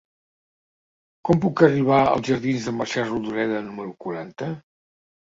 Com puc arribar als jardins de Mercè Rodoreda número quaranta?